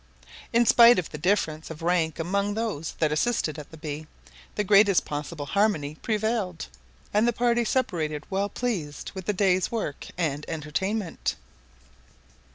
In spite of the difference of rank among those that assisted at the bee, the greatest possible harmony prevailed, and the party separated well pleased with the day's work and entertainment.